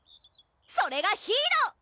それがヒーロー！